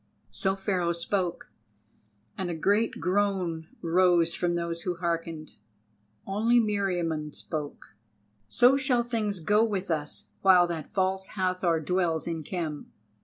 So Pharaoh spoke, and a great groan rose from those who hearkened. Only Meriamun spoke: "So shall things go with us while that False Hathor dwells in Khem."